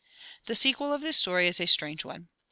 The sequel of this story is a strange one.